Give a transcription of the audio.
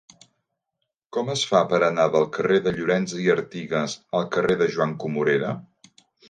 Com es fa per anar del carrer de Llorens i Artigas al carrer de Joan Comorera?